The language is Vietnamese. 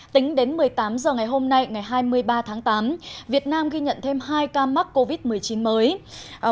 tính đến một mươi tám h ngày hôm nay ngày hai mươi ba tháng tám việt nam ghi nhận thêm hai ca mắc covid một mươi chín mới